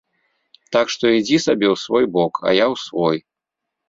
Так што ідзі сабе ў свой бок, а я ў свой.